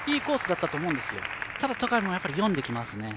ただ、戸上もやっぱり読んできますね。